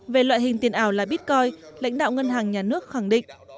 về loại hình tiền ảo là bitcoin lãnh đạo ngân hàng nhà nước khẳng định